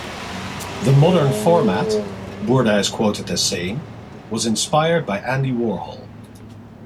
The modern format, "Burda" is quoted as saying, was inspired by Andy Warhol.